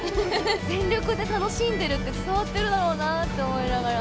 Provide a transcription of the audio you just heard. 全力で楽しんでるって伝わってるだろうなあって思いながら。